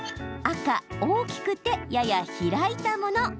赤・大きくて、やや平たいもの。